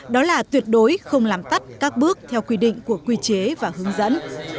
đó là tuyệt đối không làm tắt các bước theo quy định của quy chế và hướng dẫn